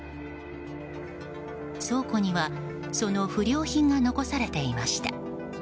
倉庫にはその不良品が残されていました。